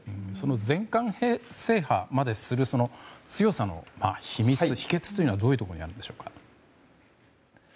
全冠制覇までする強さの秘密、秘訣はどういうところにあるんでしょうか。